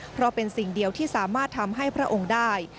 เพราะเป็นสิ่งเดียวที่สามารถทำให้พระองค์ได้